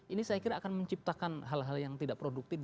ini saya kira akan menciptakan hal hal yang tidak produktif